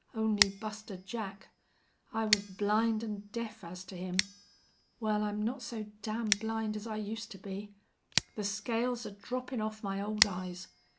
Only Buster Jack! I was blind an' deaf as to him!... Wal, I'm not so damn blind as I used to be. The scales are droppin' off my ole eyes....